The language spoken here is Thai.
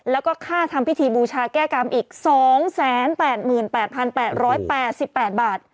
แล้วก็ค่าทำพิธีบูชาแก้กรรมอีก๒๘๘๘บาท